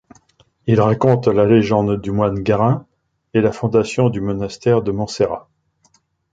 Il raconte la légende du moine Garín et la fondation du monastère de Monsterrat.